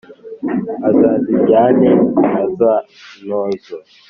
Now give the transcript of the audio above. azaziryane na za ntozo